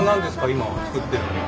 今作ってるのは。